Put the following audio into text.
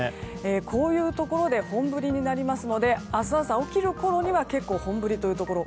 こういうところで本降りになりますので明日朝、起きるころには結構、本降りというところ